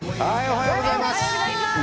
おはようございます。